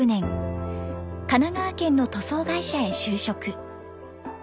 神奈川県の塗装会社へ就職。